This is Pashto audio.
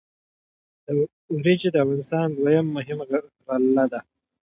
وریجې د افغانستان دویمه مهمه غله ده.